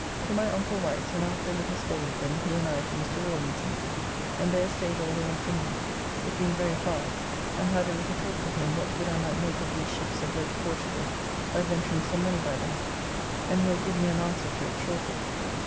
To my uncle Wight's, and after a little stay with them he and I to Mr. Rawlinson's, and there staid all the afternoon, it being very foul, and had a little talk with him what good I might make of these ships that go to Portugal by venturing some money by them, and he will give me an answer to it shortly.